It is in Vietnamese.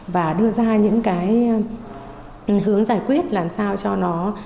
và đưa ra những cái hướng giải quyết làm sao cho nó